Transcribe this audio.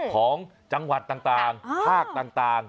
ของจังหวัดต่างภาคต่าง